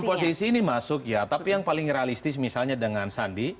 oposisi ini masuk ya tapi yang paling realistis misalnya dengan sandi